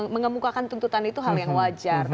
mengemukakan tuntutan itu hal yang wajar